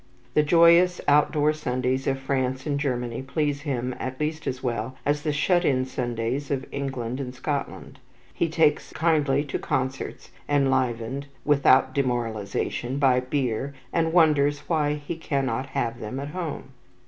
The joyous outdoor Sundays of France and Germany please him at least as well as the shut in Sundays of England and Scotland. He takes kindly to concerts, enlivened, without demoralization, by beer, and wonders why he cannot have them at home.